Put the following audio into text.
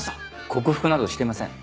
克服などしていません。